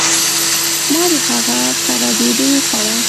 ما د هغي کره ډوډي وخوړه